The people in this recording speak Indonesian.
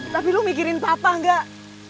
tapi lu mikirin papa nggak